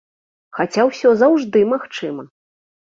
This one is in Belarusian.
Хаця ўсё заўжды магчыма!